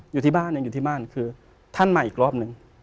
อยู่ที่บ้านคือท่านมาอีกรอบหนึ่ง